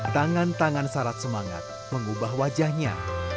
tangan tangan syarat semangat mengubah wajahnya